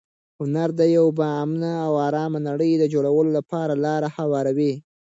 هنر د یوې با امنه او ارامه نړۍ د جوړولو لپاره لاره هواروي.